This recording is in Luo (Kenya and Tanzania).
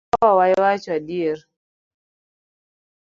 Ber a bera ka wawacho adier